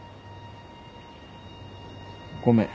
ごめん。